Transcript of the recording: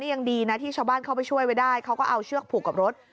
ยังดีนะที่ชาวบ้านเข้าไปช่วยไว้ได้เขาก็เอาเชือกผูกกับรถ